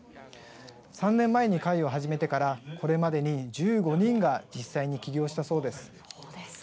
３年前に会を始めてからこれまでに１５人が実際に起業したそうです。